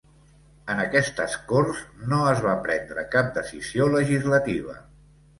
En aquestes Corts no es va prendre cap decisió legislativa.